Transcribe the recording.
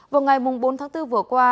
vào ngày bốn tháng bốn vừa qua